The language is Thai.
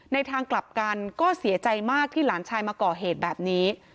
ทางกลับกันก็เสียใจมากที่หลานชายมาก่อเหตุแบบนี้